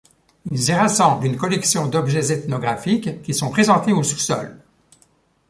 Ils y rassemblent une collection d'objets ethnographiques qui sont présentés au sous-sol.